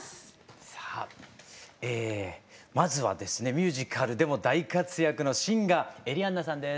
さあまずはですねミュージカルでも大活躍のシンガーエリアンナさんです。